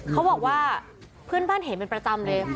เขาบอกว่าเพื่อนบ้านเห็นเป็นประจำเลย